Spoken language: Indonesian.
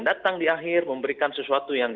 datang di akhir memberikan sesuatu yang